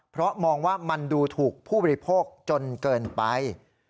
เพราะมองว่ามันดูถูกผู้บริโภคจนเกินไป